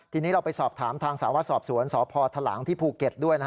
ทีนี้เราไปสอบถามทางสาวสอบสวนสพทหลังที่ภูเก็ตด้วย